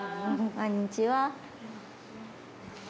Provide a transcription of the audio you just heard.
こんにちは。